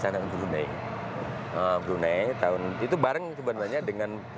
karena dulu kan ini kesanan brunei tahun itu bareng sebenarnya dengan